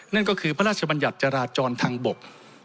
นั่นก็คือพระราชบัญญัติจราจรทางบก